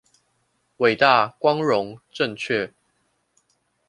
偉大、光榮、正確